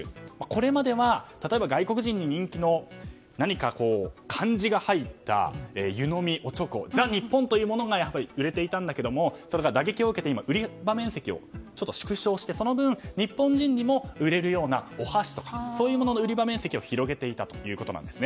これまでは例えば外国人に人気の漢字が入った湯飲み、おちょこザ日本というものが売れていたんだけどそれが打撃を受けて今、売り場面積を縮小していてその分、日本人にも売れるようなお箸といったものの売り場面積を広げていたということなんです。